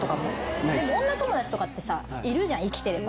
女友達とかってさいるじゃん生きてれば。